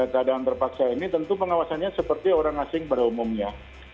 keadaan terpaksa ini tentu pengawasannya seperti orang asing berumumnya